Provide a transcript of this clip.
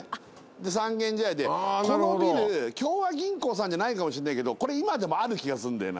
三軒茶屋でこのビル協和銀行さんじゃないかもしれないけどこれ今でもある気がするんだよな。